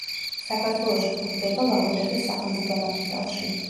საქართველოში გვხვდება ლაგოდეხის სახელმწიფო ნაკრძალში.